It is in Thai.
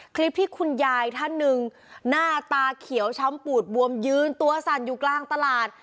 คลิปที่คุณยายท่านหนึ่งหน้าตาเขียวช้ำปูดบวมยืนตัวสั่นอยู่กลางตลาด